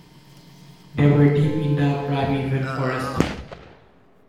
They were deep in the primeval forest.